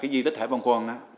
di tích hải vân quan